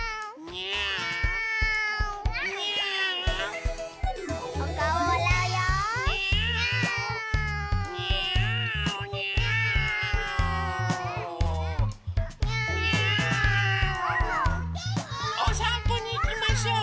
にゃお！おさんぽにいきましょう。